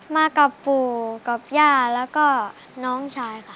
มากับปู่กับย่าแล้วก็น้องชายค่ะ